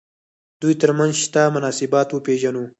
دوی تر منځ شته مناسبات وپېژنو.